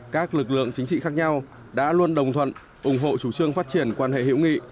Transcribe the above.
các lực lượng chính trị khác nhau đã luôn đồng thuận ủng hộ chủ trương phát triển quan hệ hiệu nghị